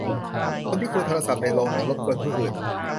คนที่คุยโทรศัพท์ในโรงหนังรบกวนผู้อื่น